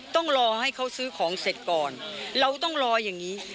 ต้องรอให้เขาซื้อของเสร็จก่อนเราต้องรออย่างนี้